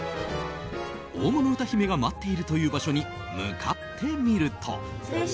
大物歌姫が待っているという場所に向かってみると。